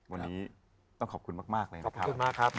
วันนี้ต้องขอบคุณมากเลยนะครับ